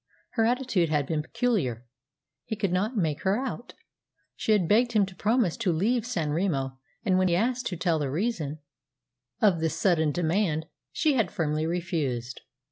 Her attitude had been peculiar. He could not make her out. She had begged him to promise to leave San Remo, and when asked to tell the reason of this sudden demand she had firmly refused.